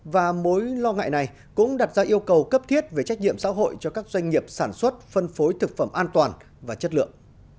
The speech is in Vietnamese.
và mối lo ngại này cũng đặt ra yêu cầu cấp thiết về trách nhiệm xã hội cho các doanh nghiệp sản xuất phân phối thực phẩm an toàn và chất lượng